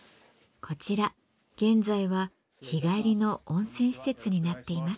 こちら現在は日帰りの温泉施設になっています。